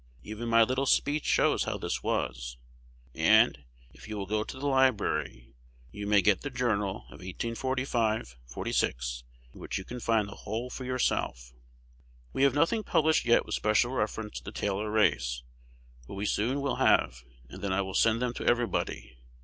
Even my little speech shows how this was; and, if you will go to the library, you may get "The Journal" of 1845 46, in which you can find the whole for yourself. We have nothing published yet with special reference to the Taylor race; but we soon will have, and then I will send them to everybody.